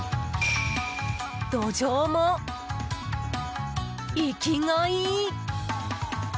ドジョウも、生きがいい！